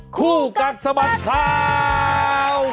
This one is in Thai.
ขู่กัดสบัตรค่าว